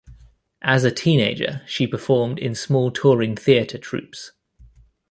As a teenager, she performed in small touring theater troupes.